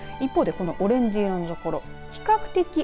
一方で、オレンジ色の所。